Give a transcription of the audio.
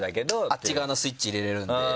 あっち側のスイッチ入れられるんで。